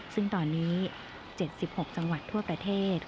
ซึ่งตอนนี้๗๖จังหวัดทั่วประเทศ